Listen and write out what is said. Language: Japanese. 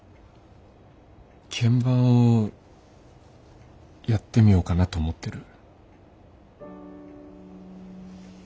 鍵盤をやってみようかなと思ってる。